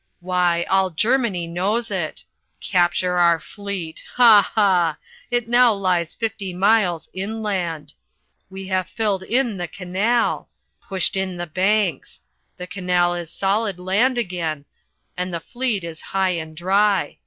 Why all Germany knows it. Capture our fleet! Ha! Ha! It now lies fifty miles inland. We have filled in the canal pushed in the banks. The canal is solid land again, and the fleet is high and dry.